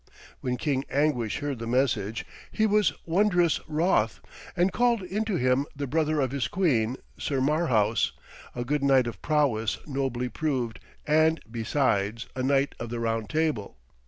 When King Anguish heard the message he was wondrous wroth, and called into him the brother of his queen, Sir Marhaus, a good knight of prowess nobly proved, and, besides, a knight of the Round Table.